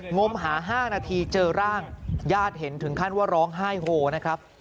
มหา๕นาทีเจอร่างญาติเห็นถึงขั้นว่าร้องไห้โหนะครับ